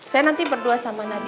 saya nanti berdua sama nabi